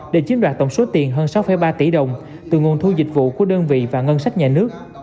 để chiếm đoạt tổng số tiền hơn sáu ba tỷ đồng từ nguồn thu dịch vụ của đơn vị và ngân sách nhà nước